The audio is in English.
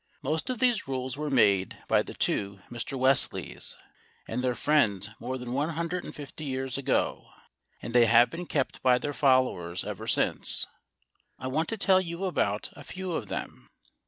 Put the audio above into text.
Most of these rules were made by the two Mr. Wesleys and their friends more than one hundred and fifty years ago, and they have been kept by their followers ever since. I want to tell you about a few of them.